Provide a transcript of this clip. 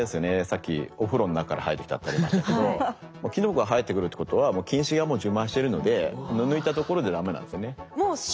さっきお風呂の中から生えてきたってありましたけどキノコが生えてくるってことはもう菌糸が充満してるので抜いたところで駄目なんですよね。